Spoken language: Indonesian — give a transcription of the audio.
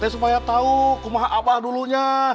supaya tahu apa dulunya